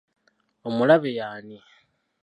Omulabe y'ani?